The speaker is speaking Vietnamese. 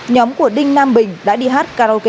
nhóm của đinh nam bình đã đi hát karaoke